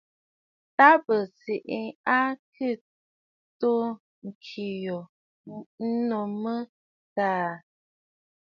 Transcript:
Ta bɨ Tsə̀ à kɨ toò ŋ̀kɨ̀ɨ̀ ghu nu mə tâ təə tsiʼì la nzì.